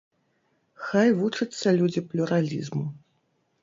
Хай вучацца людзі плюралізму.